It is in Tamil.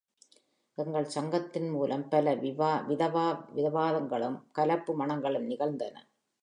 எங்கள் சங்கத்தின் மூலம் பல விதவா விவாகங்களும் கலப்பு மணங்களும் நிகழ்ந்தன.